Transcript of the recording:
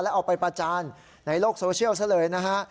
เอาไปประจานในโลกโซเชียลซะเลยนะฮะ